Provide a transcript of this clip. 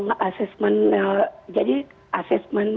tapi hasil asesmen sementara yang anda dapatkan seperti apa